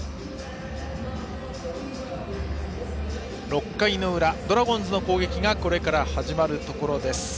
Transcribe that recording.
６ 回の裏ドラゴンズの攻撃がこれから始まるところです。